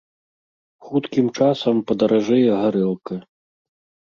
Хуткім часам падаражэе гарэлка.